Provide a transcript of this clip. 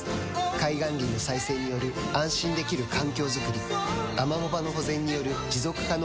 海岸林の再生による安心できる環境づくりアマモ場の保全による持続可能な海づくり